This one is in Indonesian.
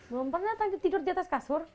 belum pernah tidur di atas kasur